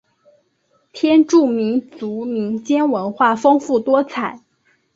天柱民族民间文化丰富多彩。